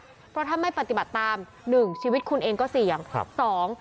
เพราะถ้าไม่ปฏิบัติตาม๑ชีวิตคุณเองก็เสี่ยง